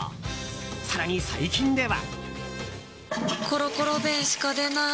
更に最近では。